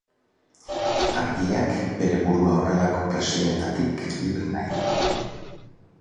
Argiak bere burua horrelako presioetatik libre nahi du.